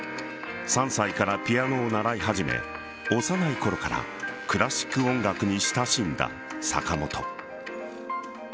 ３歳からピアノを習い始め幼いころからクラシック音楽に親しんだ坂本。